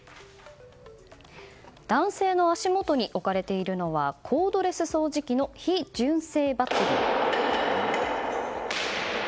男性の足元に置かれているのはコードレス掃除機の非純正バッテリー。